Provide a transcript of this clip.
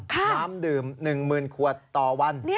น้ำดื่ม๑หมื่นขวดต่อวัน